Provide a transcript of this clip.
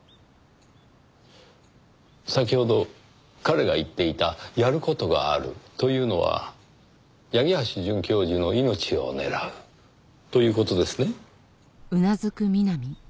先ほど彼が言っていた「やる事がある」というのは八木橋准教授の命を狙うという事ですね？